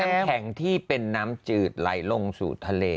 เค้าบอกว่าน้ำแข็งที่เป็นน้ำจืดไหลลงสู่ทะเล